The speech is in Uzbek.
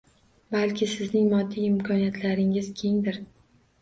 Balki sizning moddiy imkoniyatlaringiz kengdir.